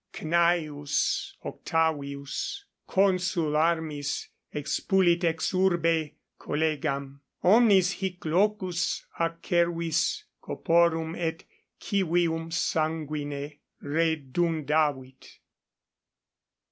Cn. Octavius consul armis expulit ex urbe collegam: omnis hic locus acervis corporum et civium sanguine redundavit.